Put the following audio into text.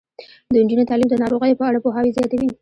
د نجونو تعلیم د ناروغیو په اړه پوهاوی زیاتوي.